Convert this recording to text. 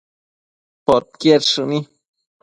podquied shëni